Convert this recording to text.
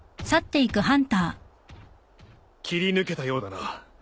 切り抜けたようだな。